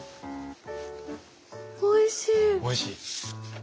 おいしい！